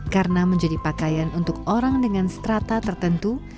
karena menjadi pakaian untuk orang dengan strata tertentu